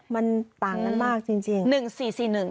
มันต่างกันมากจริง